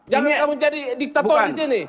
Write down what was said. jangan kamu jadi diktator disini